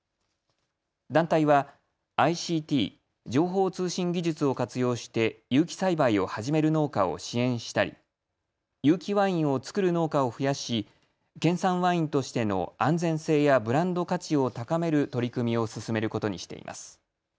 団体はＩＣＴ・情報通信技術を活用して有機栽培を始める農家を支援したり有機ワインを造る農家を増やし県産ワインとしての安全性やブランド価値を高める取り組みを進めることにしています。